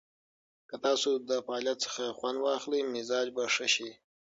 که تاسو د فعالیت څخه خوند واخلئ، مزاج به ښه شي.